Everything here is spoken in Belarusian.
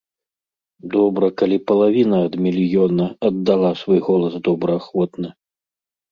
Добра, калі палавіна ад мільёна аддала свой голас добраахвотна.